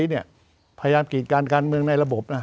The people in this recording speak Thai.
พยายามกรีดการการเมืองในระบบนะ